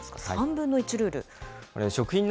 ３分の１ルール。